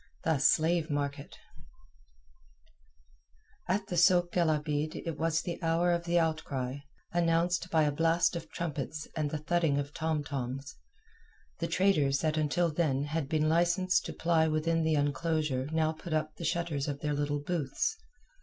THE SLAVE MARKET At the sôk el Abeed it was the hour of the outcry, announced by a blast of trumpets and the thudding of tom toms. The traders that until then had been licensed to ply within the enclosure now put up the shutters of their little booths.